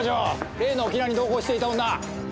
例の沖縄に同行していた女。